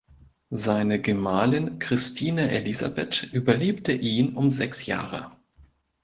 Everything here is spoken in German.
Seine Gemahlin Christine Elisabeth überlebte ihn um sechs Jahre.